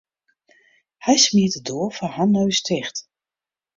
Hy smiet de doar foar har noas ticht.